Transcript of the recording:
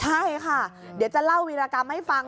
ใช่ค่ะเดี๋ยวจะเล่าวีรกรรมให้ฟัง